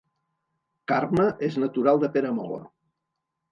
Carme és natural de Peramola